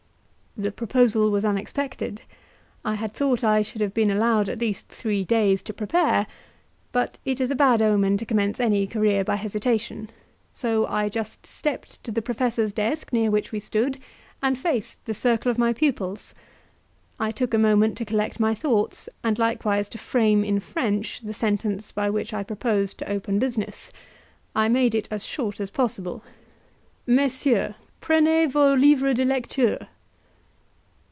The proposal was unexpected. I had thought I should have been allowed at least three days to prepare; but it is a bad omen to commence any career by hesitation, so I just stepped to the professor's desk near which we stood, and faced the circle of my pupils. I took a moment to collect my thoughts, and likewise to frame in French the sentence by which I proposed to open business. I made it as short as possible: "Messieurs, prenez vos livres de lecture."